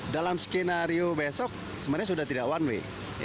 dalam skenario besok sebenarnya sudah tidak one way